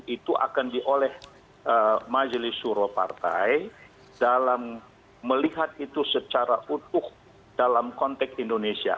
itu akan diolah majelis suropartai dalam melihat itu secara utuh dalam konteks indonesia